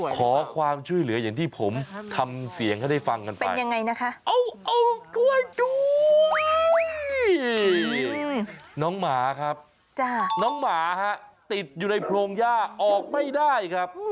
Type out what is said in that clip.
ขอความช่วยเหลืออย่างที่ผมทำเสียงให้ได้ฟังกันไป